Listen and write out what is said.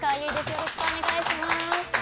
よろしくお願いします。